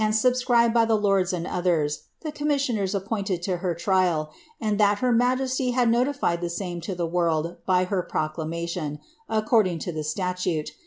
subscribed by the lords aod others, the commiasioiiers appointed lu her trial, and that her majeety had nolitied the same io the world by het proclamaiion, according lo the staiule.